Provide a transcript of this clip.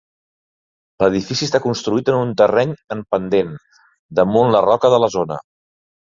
L'edifici està construït en un terreny en pendent, damunt la roca de la zona.